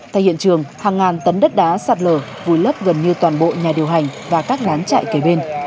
tại hiện trường hàng ngàn tấn đất đá sạt lở vùi lấp gần như toàn bộ nhà điều hành và các đán chạy kề bên